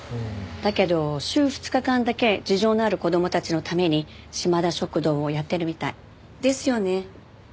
だけど週２日間だけ事情のある子どもたちのためにしまだ食堂をやってるみたい。ですよね？